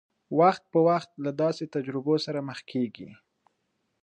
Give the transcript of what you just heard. وخت په وخت له داسې تجربو سره مخ کېږي.